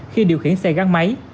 khi điều khiển xe gắn máy